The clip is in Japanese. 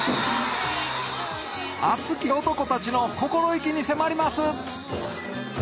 熱き男たちの心意気に迫ります！